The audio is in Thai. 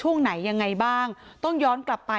มีคนจมน้ำเสียชีวิต๔ศพแล้วเนี่ย